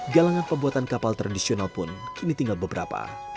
galangan pembuatan kapal tradisional pun kini tinggal beberapa